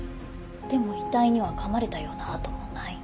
でも遺体には噛まれたような痕もない。